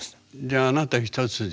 じゃああなた一筋？